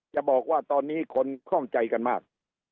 จะบอกว่าตอนนี้คนคล่องใจกันมาก